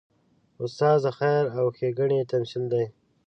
استاد د خیر او ښېګڼې تمثیل دی.